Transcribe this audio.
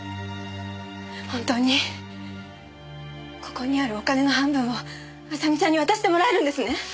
本当にここにあるお金の半分を麻美ちゃんに渡してもらえるんですね？